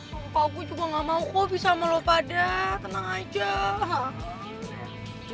sumpah gue juga gak mau kok pisah sama lo pada tenang aja